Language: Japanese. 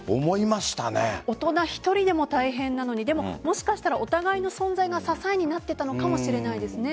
大人１人でも大変なのにでも、もしかしたらお互いの存在が支えになっていたのかもしれませんね。